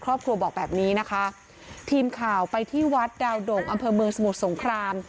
ครอบครัวบอกแบบนี้นะคะทีมข่าวไปที่วัดดาวโด่งอำเภอเมืองสมุทรสงคราม